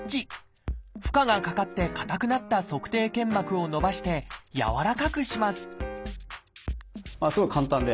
負荷がかかって硬くなった足底腱膜を伸ばしてやわらかくします